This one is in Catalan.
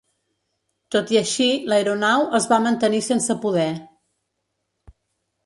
Tot i així, l'aeronau es va mantenir sense poder.